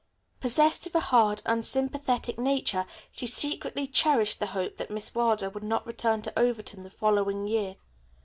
Possessed of a hard, unsympathetic nature, she secretly cherished the hope that Miss Wilder would not return to Overton the following year.